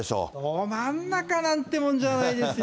ど真ん中なんてもんじゃないですよ。